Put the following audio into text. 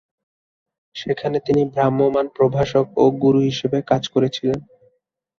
সেখানে তিনি ভ্রাম্যমাণ প্রভাষক এবং গুরু হিসাবে কাজ করেছিলেন।